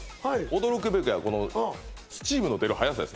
驚くべきはこのスチームの出る早さです